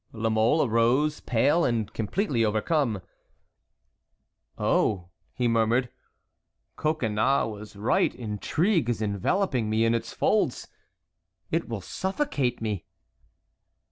La Mole arose, pale and completely overcome. "Oh!" he murmured, "Coconnas was right, intrigue is enveloping me in its folds. It will suffocate me."